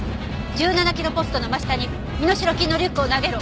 「１７キロポストの真下に身代金のリュックを投げろ」